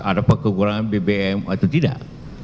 ada kekurangan bbm atau tidak